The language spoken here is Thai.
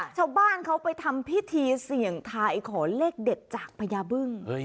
ชาวบ้านเขาไปทำพิธีเสี่ยงทายขอเลขเด็ดจากพญาบึ้ง